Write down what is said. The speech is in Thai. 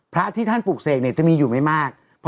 พระที่ท่านปลูกเสกเนี่ยจะมีอยู่ไม่มาก